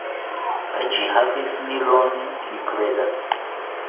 Ĝi havis milon, mi kredas.